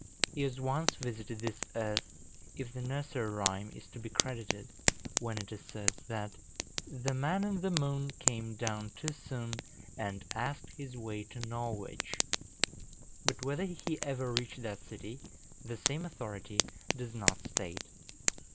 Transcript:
He has once visited this earth, if the nursery rhyme is to be credited, when it asserts that "The Man in the Moon Came down too soon, And asked his way to Norwich;" but whether he ever reached that city, the same authority does not state.